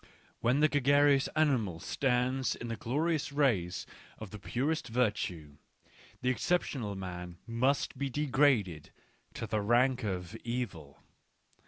When the gregarious animal stands in the glorious rays of the purest virtue, the exceptional man must be degraded to the rank of the evil.